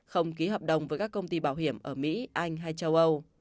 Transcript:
không ký hợp đồng với các công ty bảo hiểm ở mỹ anh hay châu âu